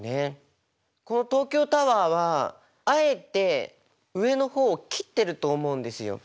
この東京タワーはあえて上の方を切ってると思うんですよ。